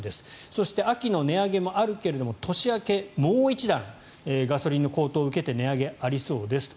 そして秋の値上げもあるけど年明け、もう一段ガソリンの高騰を受けて値上げがありそうですと。